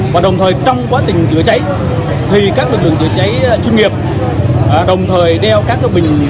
và đồng thời trong quá trình chế cháy thì các đồn chế cháy chuyên nghiệp đồng thời đeo các bình